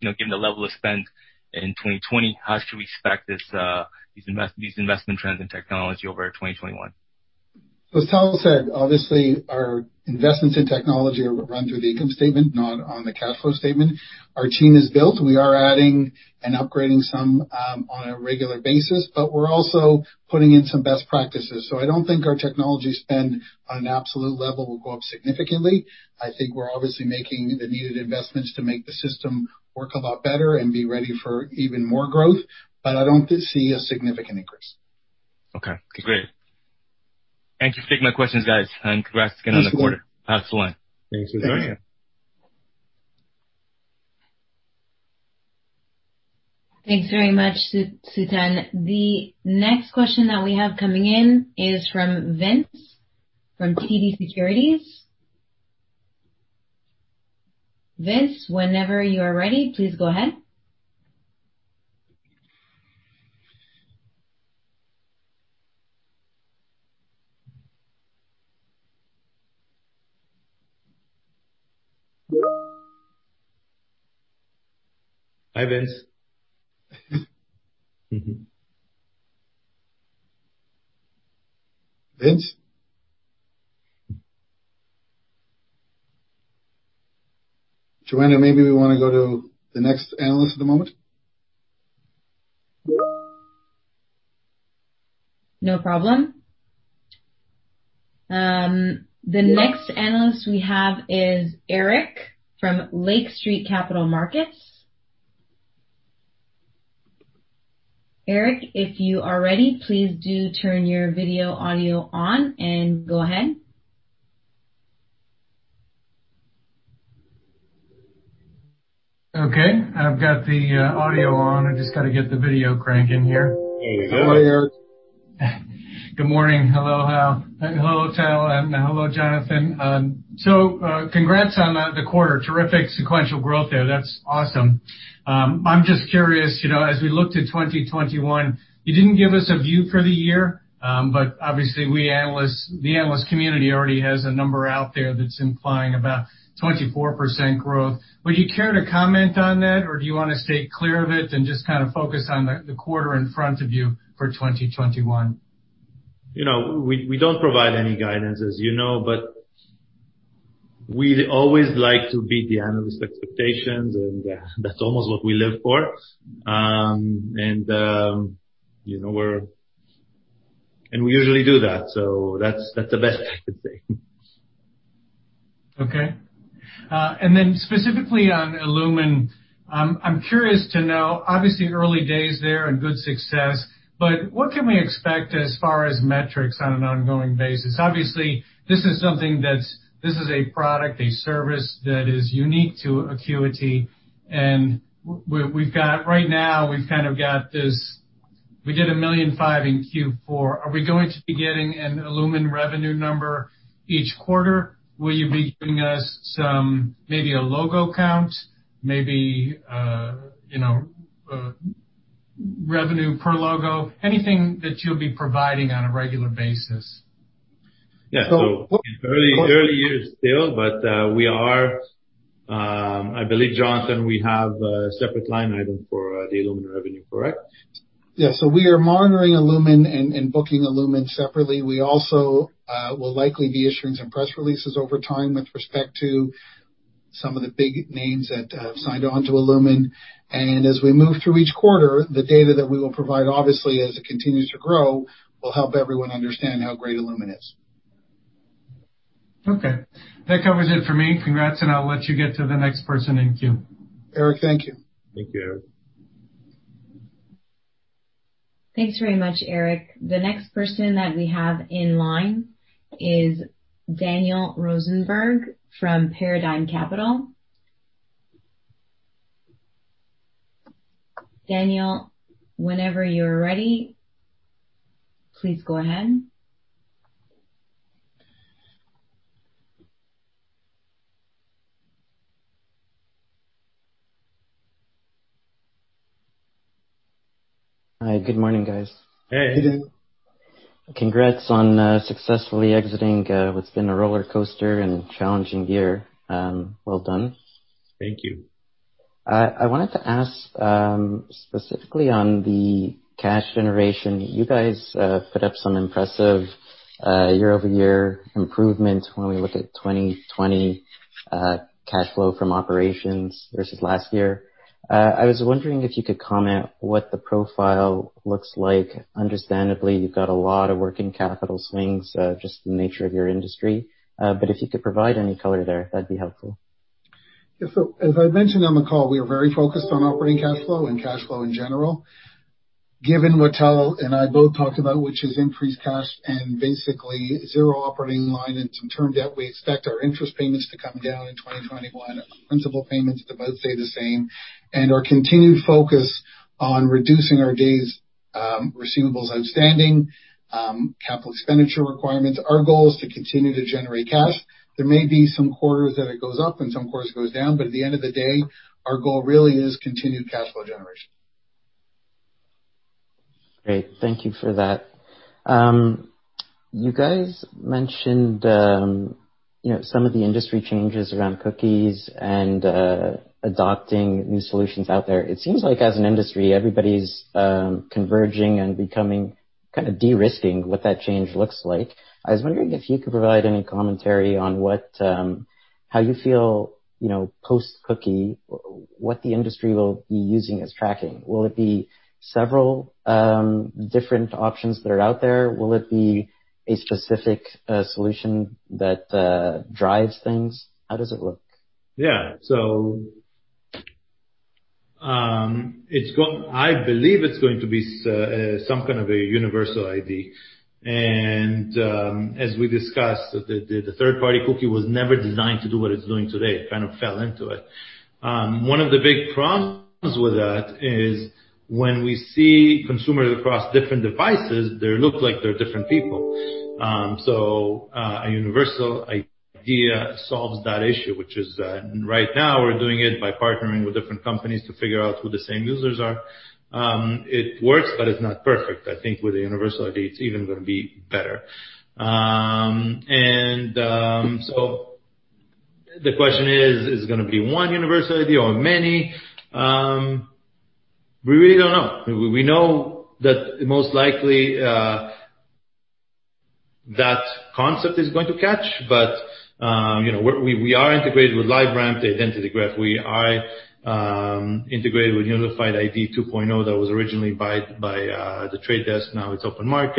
[SPEAKER 6] you know, given the level of spend in 2020, how should we expect these investment trends in technology over 2021?
[SPEAKER 3] So as Tal said, obviously our investments in technology run through the income statement, not on the cash flow statement. Our team is built. We are adding and upgrading some, on a regular basis, but we're also putting in some best practices. So I don't think our technology spend on an absolute level will go up significantly. I think we're obviously making the needed investments to make the system work a lot better and be ready for even more growth, but I don't see a significant increase.
[SPEAKER 6] Okay, great. Thank you. Take my questions, guys, and congrats again on the quarter.
[SPEAKER 3] Thanks.
[SPEAKER 6] Excellent.
[SPEAKER 3] Thanks for joining us.
[SPEAKER 4] Thanks very much, Suthan. The next question that we have coming in is from Vince, from TD Securities. Vince, whenever you are ready, please go ahead.
[SPEAKER 2] Hi, Vince. Vince? Joanna, maybe we wanna go to the next analyst at the moment.
[SPEAKER 4] No problem. The next analyst we have is Eric from Lake Street Capital Markets. Eric, if you are ready, please do turn your video, audio on and go ahead.
[SPEAKER 7] Okay, I've got the audio on. I just got to get the video cranking here.
[SPEAKER 2] There you go, Eric.
[SPEAKER 7] Good morning. Hello, Tal, and hello, Jonathan. So, congrats on the quarter. Terrific sequential growth there. That's awesome. I'm just curious, you know, as we look to twenty twenty-one, you didn't give us a view for the year, but obviously we analysts—the analyst community already has a number out there that's implying about 24% growth. Would you care to comment on that, or do you want to stay clear of it and just kind of focus on the quarter in front of you for 2021?
[SPEAKER 2] You know, we don't provide any guidance, as you know, but we always like to beat the analyst expectations, and that's almost what we live for. And you know, we usually do that, so that's the best I could say.
[SPEAKER 7] Okay. And then specifically on illumin, I'm curious to know, obviously, early days there and good success, but what can we expect as far as metrics on an ongoing basis? Obviously, this is something that's a product, a service, that is unique to Acuity, and we've kind of got this right now. We did 1.5 million in Q4. Are we going to be getting an illumin revenue number each quarter? Will you be giving us some, maybe a logo count, maybe, you know, revenue per logo? Anything that you'll be providing on a regular basis.
[SPEAKER 2] Yeah, so early, early years still, but, we are. I believe, Jonathan, we have a separate line item for the illumin revenue, correct?
[SPEAKER 3] Yeah. So we are monitoring illumin and booking illumin separately. We also will likely be issuing some press releases over time with respect to some of the big names that have signed on to illumin. And as we move through each quarter, the data that we will provide, obviously, as it continues to grow, will help everyone understand how great illumin is.
[SPEAKER 7] Okay, that covers it for me. Congrats, and I'll let you get to the next person in queue.
[SPEAKER 3] Eric, thank you.
[SPEAKER 2] Thank you, Eric.
[SPEAKER 4] Thanks very much, Eric. The next person that we have in line is Daniel Rosenberg from Paradigm Capital. Daniel, whenever you're ready, please go ahead.
[SPEAKER 8] Hi, good morning, guys.
[SPEAKER 2] Hey, Daniel.
[SPEAKER 8] Congrats on successfully exiting what's been a roller coaster and challenging year. Well done.
[SPEAKER 2] Thank you.
[SPEAKER 8] I wanted to ask, specifically on the cash generation. You guys put up some impressive year-over-year improvement when we look at 2020, cash flow from operations versus last year. I was wondering if you could comment what the profile looks like. Understandably, you've got a lot of working capital swings, just the nature of your industry. But if you could provide any color there, that'd be helpful.
[SPEAKER 3] Yeah. So as I mentioned on the call, we are very focused on operating cash flow and cash flow in general. Given what Tal and I both talked about, which is increased cash and basically zero operating line and some term debt, we expect our interest payments to come down in 2021, our principal payments to both stay the same, and our continued focus on reducing our days receivables outstanding, capital expenditure requirements. Our goal is to continue to generate cash. There may be some quarters that it goes up and some quarters it goes down, but at the end of the day, our goal really is continued cash flow generation.
[SPEAKER 8] Great. Thank you for that. You guys mentioned, you know, some of the industry changes around cookies and adopting new solutions out there. It seems like as an industry, everybody's converging and becoming kind of de-risking what that change looks like. I was wondering if you could provide any commentary on how you feel, you know, post-cookie, what the industry will be using as tracking. Will it be several different options that are out there? Will it be a specific solution that drives things? How does it look?
[SPEAKER 2] Yeah. So, I believe it's going to be some kind of a universal ID. And, as we discussed, the third-party cookie was never designed to do what it's doing today. It kind of fell into it. One of the big problems with that is when we see consumers across different devices, they look like they're different people. So, a universal ID solves that issue, which is, right now, we're doing it by partnering with different companies to figure out who the same users are. It works, but it's not perfect. I think with a universal ID, it's even going to be better. And, so the question is: Is it gonna be one universal ID or many? We really don't know. We know that most likely that concept is going to catch, but you know, we are integrated with LiveRamp, the identity graph. We are integrated with Unified ID 2.0, that was originally by The Trade Desk. Now it's open source.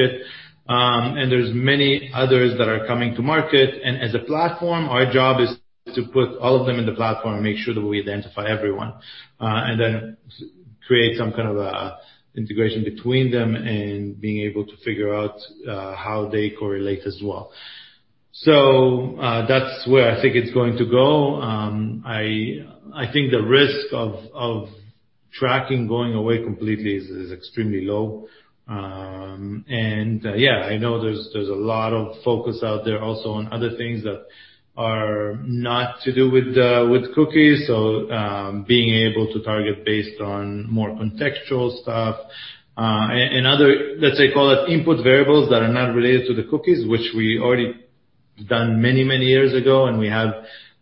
[SPEAKER 2] And there's many others that are coming to market, and as a platform, our job is to put all of them in the platform and make sure that we identify everyone, and then create some kind of a integration between them and being able to figure out how they correlate as well. So that's where I think it's going to go. I think the risk of tracking going away completely is extremely low. And, yeah, I know there's a lot of focus out there also on other things that are not to do with cookies. So, being able to target based on more contextual stuff, and other, let's say, call it input variables that are not related to the cookies, which we already done many, many years ago, and we have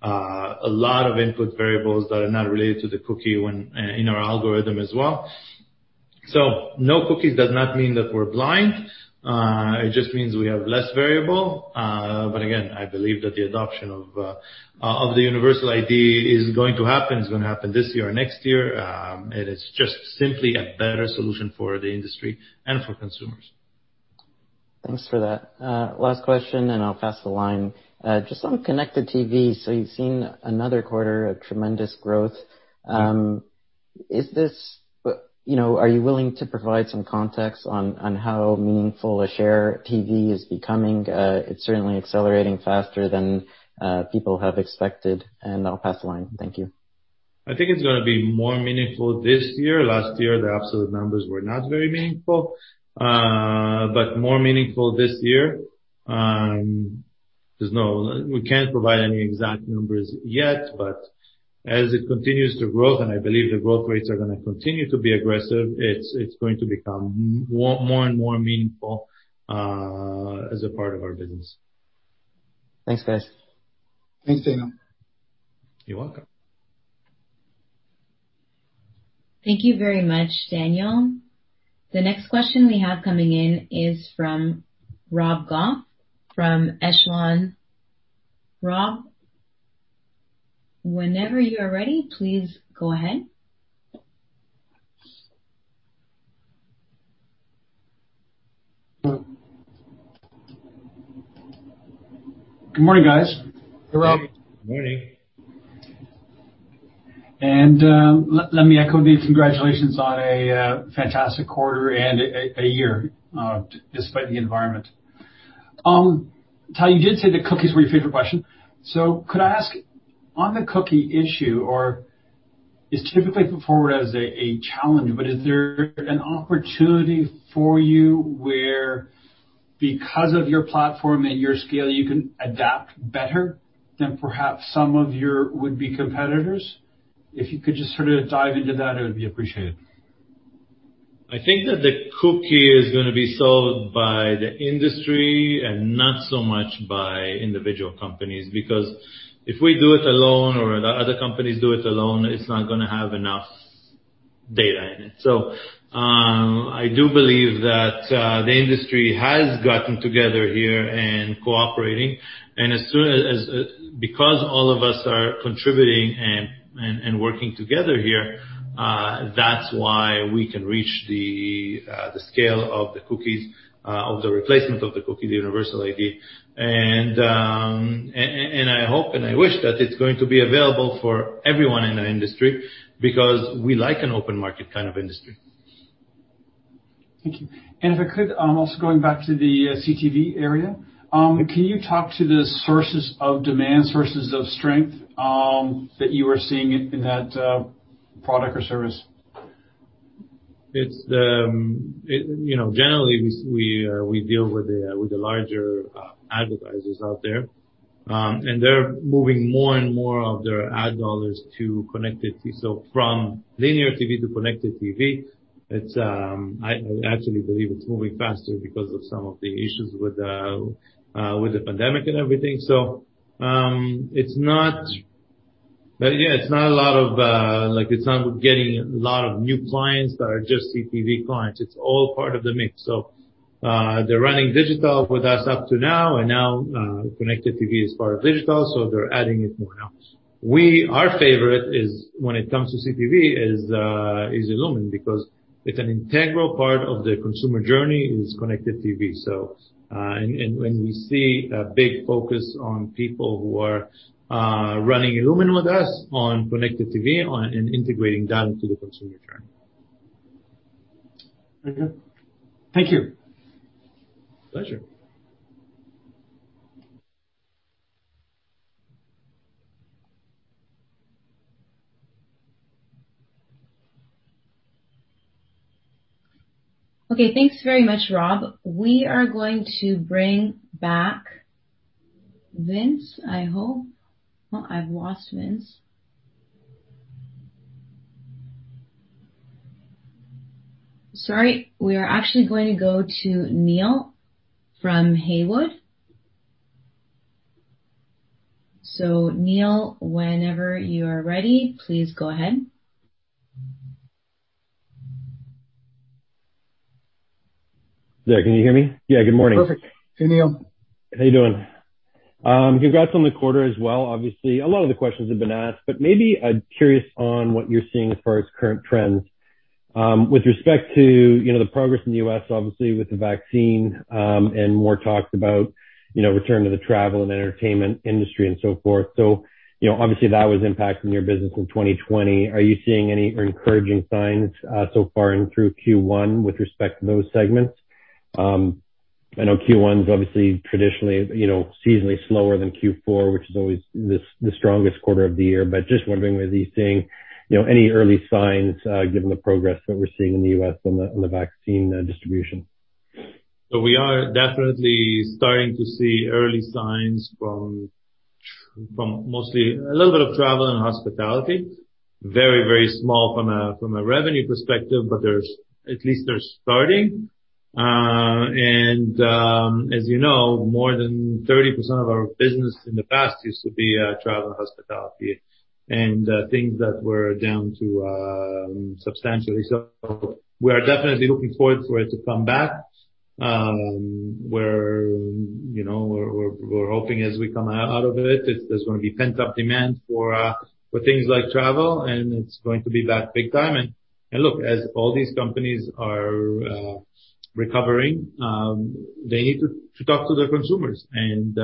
[SPEAKER 2] a lot of input variables that are not related to the cookie when in our algorithm as well. So no cookies does not mean that we're blind. It just means we have less variable. But again, I believe that the adoption of the Universal ID is going to happen. It's going to happen this year or next year. And it's just simply a better solution for the industry and for consumers.
[SPEAKER 8] Thanks for that. Last question, and I'll pass the line. Just on Connected TV, so you've seen another quarter of tremendous growth. Is this, you know, are you willing to provide some context on how meaningful a share of TV is becoming? It's certainly accelerating faster than people have expected, and I'll pass the line. Thank you.
[SPEAKER 2] I think it's gonna be more meaningful this year. Last year, the absolute numbers were not very meaningful, but more meaningful this year. We can't provide any exact numbers yet, but as it continues to grow, and I believe the growth rates are gonna continue to be aggressive, it's going to become more and more meaningful as a part of our business.
[SPEAKER 8] Thanks, guys.
[SPEAKER 3] Thanks, Daniel.
[SPEAKER 2] You're welcome.
[SPEAKER 4] Thank you very much, Daniel. The next question we have coming in is from Rob Goff from Echelon. Rob, whenever you are ready, please go ahead.
[SPEAKER 9] Good morning, guys.
[SPEAKER 3] Good morning!
[SPEAKER 2] Good morning.
[SPEAKER 9] Let me echo the congratulations on a fantastic quarter and a year, despite the environment. Tal, you did say that cookies were your favorite question. Could I ask, on the cookie issue, or it's typically put forward as a challenge, but is there an opportunity for you where, because of your platform and your scale, you can adapt better than perhaps some of your would-be competitors? If you could just sort of dive into that, it would be appreciated.
[SPEAKER 2] I think that the cookie is gonna be solved by the industry and not so much by individual companies, because if we do it alone or the other companies do it alone, it's not gonna have enough data in it. So, I do believe that the industry has gotten together here and cooperating, and because all of us are contributing and working together here, that's why we can reach the scale of the cookies, of the replacement of the cookie, the Universal ID. And I hope, and I wish that it's going to be available for everyone in the industry, because we like an open market kind of industry.
[SPEAKER 9] Thank you. And if I could, also going back to the CTV area, can you talk to the sources of demand, sources of strength, that you are seeing in that product or service?
[SPEAKER 2] It's the. You know, generally, we deal with the larger advertisers out there, and they're moving more and more of their ad dollars to connected TV. So from linear TV to connected TV, it's. I absolutely believe it's moving faster because of some of the issues with the pandemic and everything. So, it's not. Yeah, it's not a lot of, like, it's not getting a lot of new clients that are just CTV clients. It's all part of the mix. So, they're running digital with us up to now, and now, connected TV is part of digital, so they're adding it more now. We, our favorite is, when it comes to CTV, is illumin, because it's an integral part of the consumer journey is connected TV. When we see a big focus on people who are running illumin with us on Connected TV, and integrating that into the consumer journey.
[SPEAKER 9] Okay. Thank you.
[SPEAKER 2] Pleasure.
[SPEAKER 4] Okay, thanks very much, Rob. We are going to bring back Vince, I hope. Well, I've lost Vince. Sorry, we are actually going to go to Neil from Haywood. So Neil, whenever you are ready, please go ahead.
[SPEAKER 10] Yeah, can you hear me? Yeah, good morning.
[SPEAKER 3] Perfect. Hey, Neil.
[SPEAKER 10] How you doing? Congrats on the quarter as well. Obviously, a lot of the questions have been asked, but maybe I'm curious on what you're seeing as far as current trends with respect to, you know, the progress in the US, obviously, with the vaccine, and more talks about, you know, return to the travel and entertainment industry and so forth. So, you know, obviously, that was impacting your business in 2020. Are you seeing any encouraging signs so far in through Q1 with respect to those segments? I know Q1 is obviously traditionally, you know, seasonally slower than Q4, which is always the strongest quarter of the year. But just wondering, are you seeing, you know, any early signs given the progress that we're seeing in the US on the vaccine distribution?
[SPEAKER 2] So we are definitely starting to see early signs from mostly a little bit of travel and hospitality. Very, very small from a revenue perspective, but there's at least they're starting. As you know, more than 30% of our business in the past used to be travel and hospitality, and things that were down to substantially. So we are definitely looking forward for it to come back. We're, you know, hoping as we come out of it, there's gonna be pent-up demand for things like travel, and it's going to be back big time. And look, as all these companies are recovering, they need to talk to their consumers, and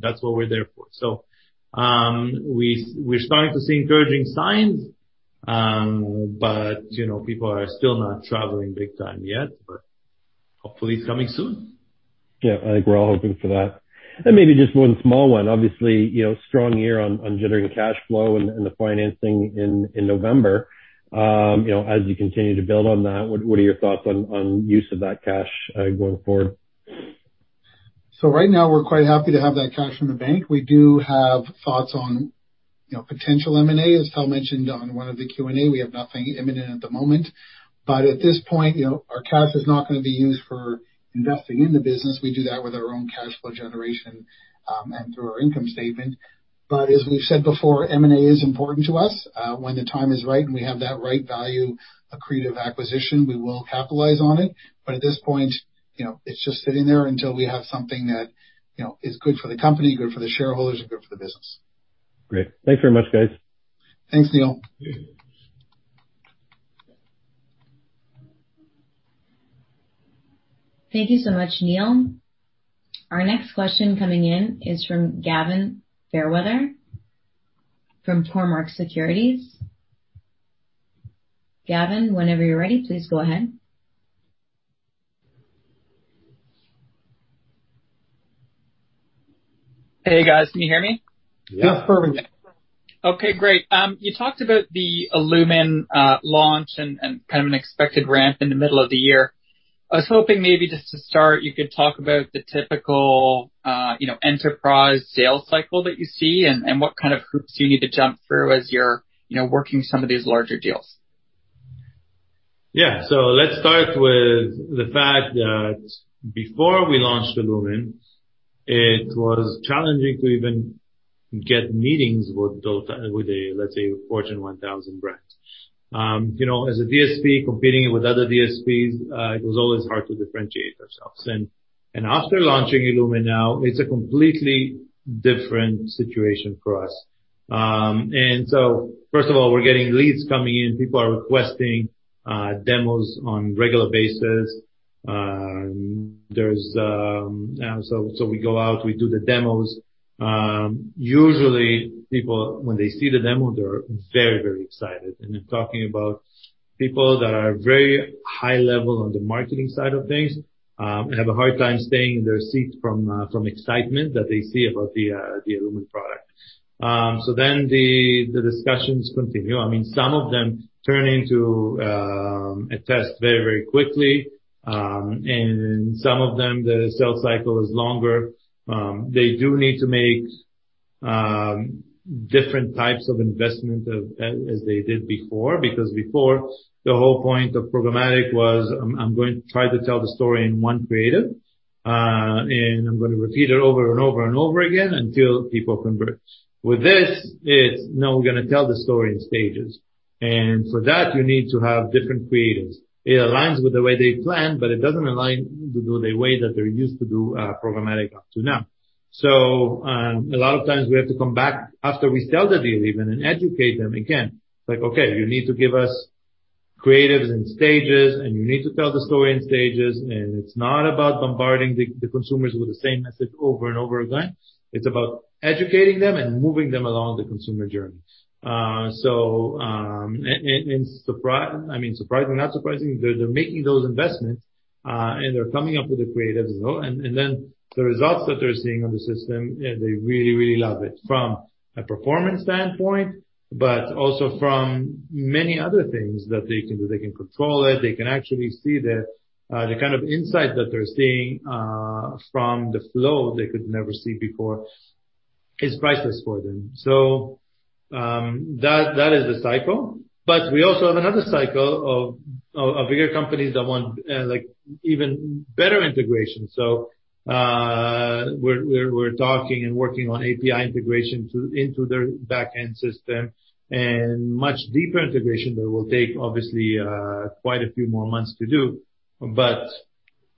[SPEAKER 2] that's what we're there for. So, we're starting to see encouraging signs, but, you know, people are still not traveling big time yet, but hopefully it's coming soon. Yeah, I think we're all hoping for that. And maybe just one small one, obviously, you know, strong year on generating cash flow and the financing in November. You know, as you continue to build on that, what are your thoughts on use of that cash going forward?
[SPEAKER 3] So right now, we're quite happy to have that cash in the bank. We do have thoughts on, you know, potential M&A, as Tal mentioned on one of the Q&A. We have nothing imminent at the moment, but at this point, you know, our cash is not gonna be used for investing in the business. We do that with our own cash flow generation, and through our income statement. But as we've said before, M&A is important to us. When the time is right and we have that right value, accretive acquisition, we will capitalize on it. But at this point, you know, it's just sitting there until we have something that, you know, is good for the company, good for the shareholders, and good for the business.
[SPEAKER 10] Great. Thanks very much, guys.
[SPEAKER 2] Thanks, Neil.
[SPEAKER 4] Thank you so much, Neil. Our next question coming in is from Gavin Fairweather from Cormark Securities. Gavin, whenever you're ready, please go ahead.
[SPEAKER 11] Hey, guys, can you hear me?
[SPEAKER 2] Yeah.
[SPEAKER 11] Perfect. Okay, great. You talked about the illumin launch and kind of an expected ramp in the middle of the year. I was hoping maybe just to start, you could talk about the typical, you know, enterprise sales cycle that you see and what kind of hoops you need to jump through as you're, you know, working some of these larger deals.
[SPEAKER 2] Yeah. So let's start with the fact that before we launched illumin, it was challenging to even get meetings with those, let's say, Fortune 1000 brands. You know, as a DSP competing with other DSPs, it was always hard to differentiate ourselves. After launching illumin, now it's a completely different situation for us. So first of all, we're getting leads coming in. People are requesting demos on regular basis. So we go out, we do the demos. Usually people, when they see the demo, they're very, very excited. And I'm talking about people that are very high level on the marketing side of things, have a hard time staying in their seat from excitement that they see about the illumin product. So then the discussions continue. I mean, some of them turn into a test very, very quickly, and some of them, the sales cycle is longer. They do need to make different types of investment as they did before, because before, the whole point of programmatic was, I'm going to try to tell the story in one creative, and I'm gonna repeat it over and over and over again until people convert. With this, it's now we're gonna tell the story in stages, and for that, you need to have different creatives. It aligns with the way they plan, but it doesn't align with the way that they're used to do programmatic up to now. So, a lot of times we have to come back after we sell the deal even, and educate them again. It's like, okay, you need to give us creatives in stages, and you need to tell the story in stages. And it's not about bombarding the consumers with the same message over and over again. It's about educating them and moving them along the consumer journey. So, surprisingly, I mean, surprising or not surprising, they're making those investments, and they're coming up with the creatives as well. And then the results that they're seeing on the system, they really love it from a performance standpoint, but also from many other things that they can do. They can control it. They can actually see the kind of insight that they're seeing from the flow they could never see before. It's priceless for them. So, that is a cycle. But we also have another cycle of bigger companies that want, like, even better integration. So, we're talking and working on API integration into their back-end system and much deeper integration that will take, obviously, quite a few more months to do, but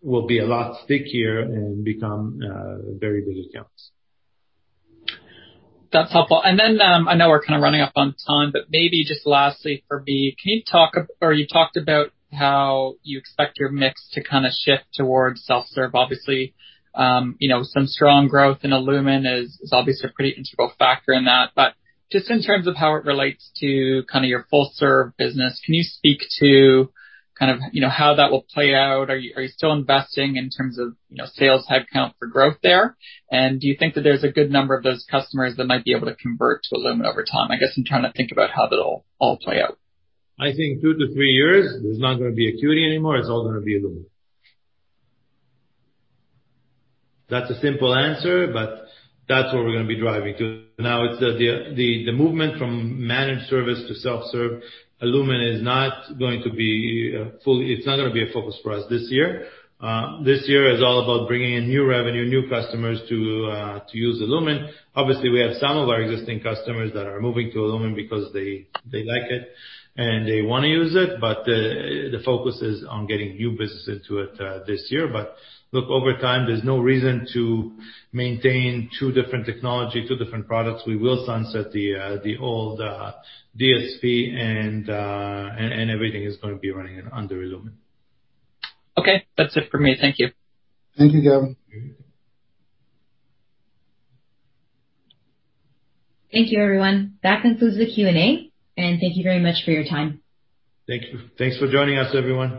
[SPEAKER 2] will be a lot stickier and become very good accounts.
[SPEAKER 11] That's helpful. And then, I know we're kind of running up on time, but maybe just lastly for me, can you talk or you talked about how you expect your mix to kind of shift towards self-serve, obviously. You know, some strong growth in illumin is obviously a pretty integral factor in that. But just in terms of how it relates to kind of your full serve business, can you speak to kind of, you know, how that will play out? Are you, are you still investing in terms of, you know, sales headcount for growth there? And do you think that there's a good number of those customers that might be able to convert to illumin over time? I guess I'm trying to think about how that'll all play out.
[SPEAKER 2] I think two to three years, there's not gonna be Acuity anymore. It's all gonna be illumin. That's a simple answer, but that's where we're gonna be driving to. Now, it's the movement from managed service to self-serve. illumin is not going to be fully. It's not gonna be a focus for us this year. This year is all about bringing in new revenue, new customers to use illumin. Obviously, we have some of our existing customers that are moving to illumin because they like it and they want to use it, but the focus is on getting new business into it this year. But look, over time, there's no reason to maintain two different technology, two different products. We will sunset the old DSP and everything is going to be running under illumin.
[SPEAKER 11] Okay, that's it for me. Thank you.
[SPEAKER 3] Thank you, Gavin.
[SPEAKER 4] Thank you, everyone. That concludes the Q&A, and thank you very much for your time.
[SPEAKER 2] Thank you. Thanks for joining us, everyone.